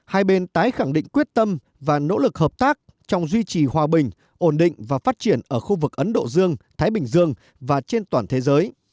hai bên tái khẳng định quyết tâm và nỗ lực hợp tác trong duy trì hòa bình ổn định và phát triển ở khu vực ấn độ dương thái bình dương và trên toàn thế giới